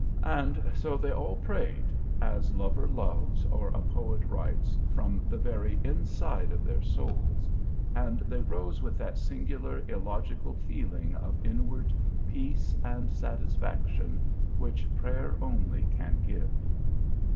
And so they all prayed, as lover loves, or a poet writes, from the very inside of their souls, and they rose with that singular, illogical feeling of inward peace and satisfaction which prayer only can give.